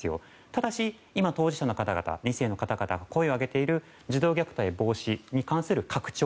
ただし、今、当事者の方々２世の方々声を上げている児童虐待防止に関する拡張